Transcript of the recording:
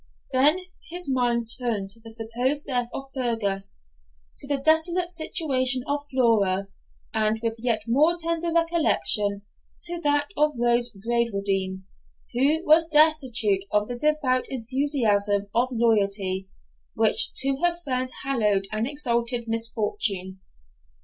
Then his mind turned to the supposed death of Fergus, to the desolate situation of Flora, and, with yet more tender recollection, to that of Rose Bradwardine, who was destitute of the devoted enthusiasm of loyalty, which to her friend hallowed and exalted misfortune.